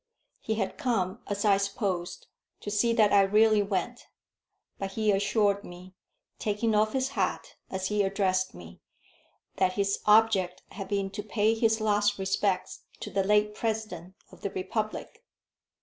He had come, as I supposed, to see that I really went; but he assured me, taking off his hat as he addressed me, that his object had been to pay his last respects to the late President of the republic.